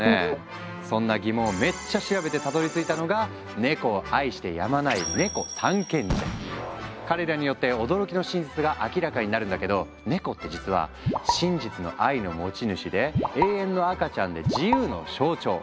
そんな疑問をめっちゃ調べてたどりついたのがネコを愛してやまない彼らによって驚きの真実が明らかになるんだけどネコって実は「真実の愛の持ち主」で「永遠の赤ちゃん」で「自由の象徴」！